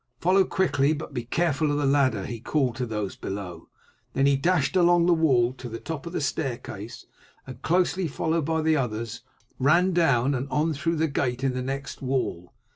"Follow quickly, but be careful of the ladder," he called to those below; then he dashed along the wall to the top of the staircase, and closely followed by the others ran down and on through the gate in the next wall.